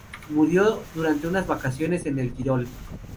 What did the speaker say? Murió durante unas vacaciones en el Tirol.